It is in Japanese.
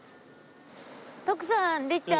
徳さん律ちゃん